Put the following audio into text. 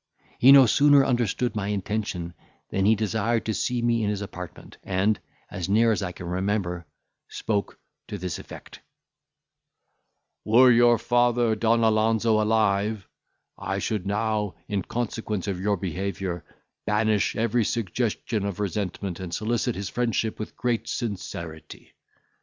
He no sooner understood my intention, than he desired to see me in his apartment, and, as near as I can remember, spoke to this effect:— "Were your father Don Alonzo alive, I should now, in consequence of your behaviour, banish every suggestion of resentment, and solicit his friendship with great sincerity.